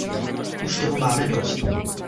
Už toho máme dost.